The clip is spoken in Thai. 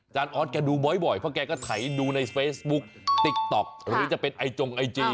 ออสแกดูบ่อยเพราะแกก็ถ่ายดูในเฟซบุ๊กติ๊กต๊อกหรือจะเป็นไอจงไอจี